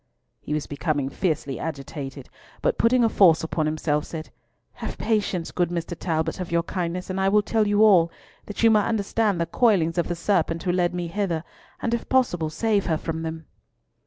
He was becoming fiercely agitated, but putting a force upon himself said, "Have patience, good Mr. Talbot, of your kindness, and I will tell you all, that you may understand the coilings of the serpent who led me hither, and if possible save her from them."